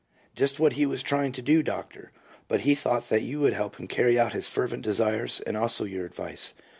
Just what he was trying to do, Doctor; but he thought that you would help him carry out his fervent desires and also your advice.